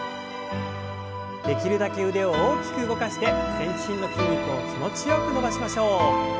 できるだけ腕を大きく動かして全身の筋肉を気持ちよく伸ばしましょう。